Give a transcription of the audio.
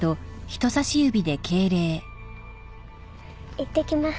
いってきます。